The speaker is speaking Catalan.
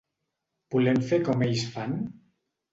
Volem fer com ells fan?